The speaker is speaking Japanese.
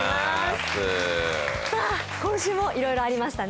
さあ、今週もいろいろありましたね。